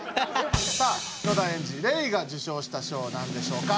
さあ野田エンジレイが受賞した賞はなんでしょうか？